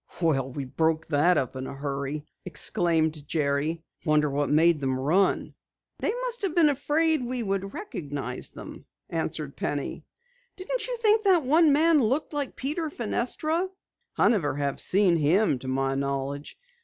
"Well, we broke that up in a hurry!" exclaimed Jerry. "Wonder what made them run?" "They must have been afraid we would recognize them," answered Penny. "Didn't you think that one man looked like Peter Fenestra?" "I never have seen him to my knowledge.